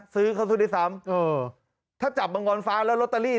ซื้อเขาสู้ได้ซ้ำถ้าจับมังกรฟ้าแล้วรอเตอรี่